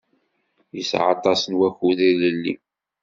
Yesɛa aṭas n wakud ilelli.